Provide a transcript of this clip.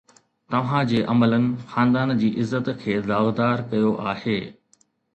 توهان جي عملن خاندان جي عزت کي داغدار ڪيو آهي